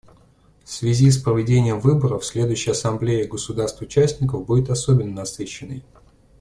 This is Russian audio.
В связи с проведением выборов следующая Ассамблея государств-участников будет особенно насыщенной.